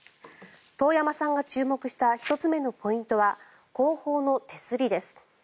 遠山さんが注目した１つ目のポイントは後方の手すりです。